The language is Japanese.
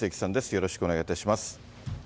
よろしくお願いします。